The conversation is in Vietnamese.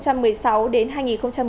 với lý do vay tiền để đảo nợ cho khách hàng